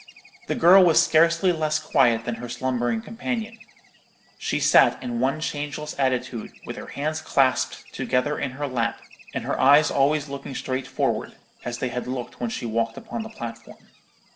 The girl was scarcely less quiet than her slumbering companion; she sat in one changeless attitude, with her hands clasped together in her lap, and her eyes always looking straight forward, as they had looked when she walked upon the platform.